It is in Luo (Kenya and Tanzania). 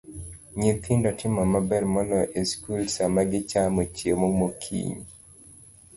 Nyithindo timo maber moloyo e skul sama gichamo chiemo mokinyi.